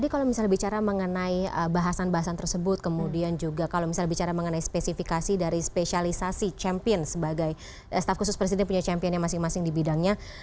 kalau misalnya bicara mengenai bahasan bahasan tersebut kemudian juga kalau misalnya bicara mengenai spesifikasi dari spesialisasi champion sebagai staff khusus presiden punya championnya masing masing di bidangnya